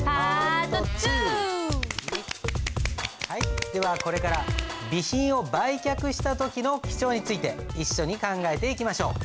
パート２！ではこれから備品を売却した時の記帳について一緒に考えていきましょう。